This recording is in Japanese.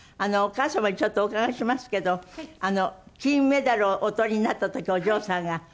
お母様にちょっとお伺いしますけど金メダルをお取りになった時お嬢さんが。